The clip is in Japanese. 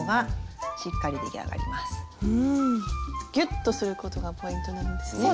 ギュッとすることがポイントなんですね。